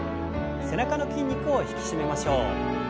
背中の筋肉を引き締めましょう。